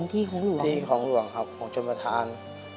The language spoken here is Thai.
ที่ของหลวงครับของชมพระธาน